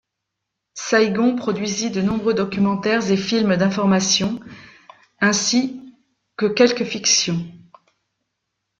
Saigon produisit de nombreux documentaires et films d'information, ainsi que quelques fictions.